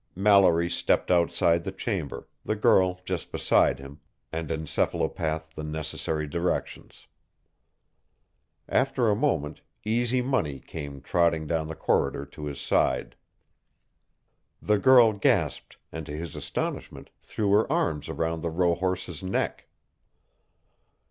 Mallory stepped outside the chamber, the girl just behind him, and encephalopathed the necessary directions. After a moment, Easy Money came trotting down the corridor to his side. The girl gasped, and, to his astonishment, threw her arms around the rohorse's neck.